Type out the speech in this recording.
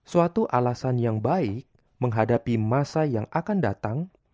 suatu alasan yang baik menghadapi masa yang akan datang